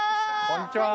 こんにちは！